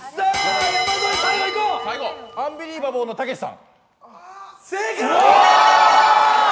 「アンビリバボー」のたけしさん。